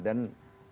dan saya bersyukur